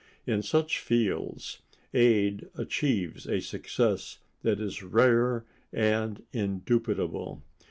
In such fields Ade achieves a success that is rare and indubitable.